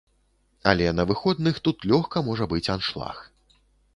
Але на выходных тут лёгка можа быць аншлаг.